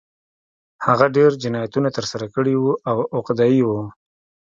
هغه ډېر جنایتونه ترسره کړي وو او عقده اي و